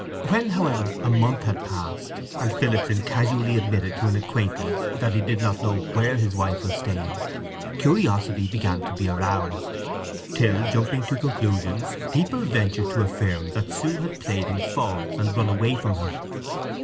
When, however, a month had passed, and Phillotson casually admitted to an acquaintance that he did not know where his wife was staying, curiosity began to be aroused; till, jumping to conclusions, people ventured to affirm that Sue had played him false and run away from him.